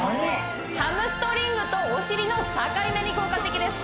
ハムストリングとお尻の境目に効果的です